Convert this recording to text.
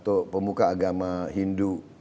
atau pemuka agama hindu